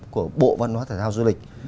của bộ văn hóa thải giao du lịch